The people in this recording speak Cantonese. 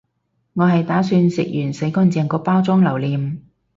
我係打算食完洗乾淨個包裝留念